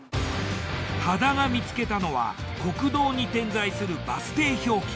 羽田が見つけたのは国道に点在するバス停表記。